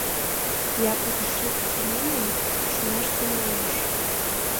Япык шып лийын шонаш тӱҥалеш.